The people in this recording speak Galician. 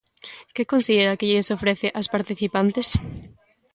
Que considera que lles ofrece ás participantes?